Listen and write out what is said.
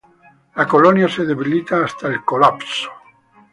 La colonia se debilita hasta el colapso.